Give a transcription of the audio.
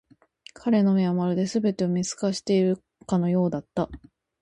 彼の目は、まるで全てを見透かしているかのようだった。